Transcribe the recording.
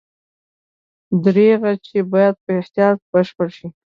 دریغه چې باید په احتیاط بشپړ شي.